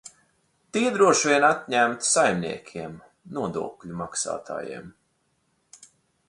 Tie droši vien atņemti saimniekiem, nodokļu maksātājiem.